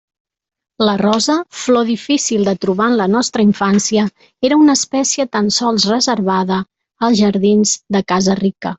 La rosa, flor difícil de trobar en la nostra infància, era una espècie tan sols reservada a jardins de casa rica.